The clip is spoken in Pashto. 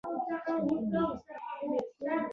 پاکستان هغه جعلي هیواد دی چې اسلامي ارزښتونه بدناموي.